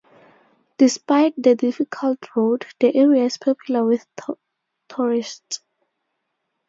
Despite the difficult road, the area is popular with tourists.